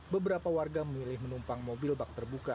beberapa warga memilih menumpang mobil bak terbuka